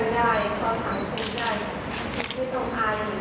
เดี๋ยวยังหมดเล่นยังแข็งเเร็งไม่เท่ากัน